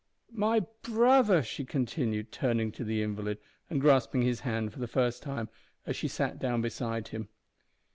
"My brother!" she continued, turning to the invalid, and grasping his hand, for the first time, as she sat down beside him.